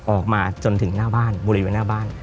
ออกมาจนถึงหน้าบ้านบริเวณหน้าบ้าน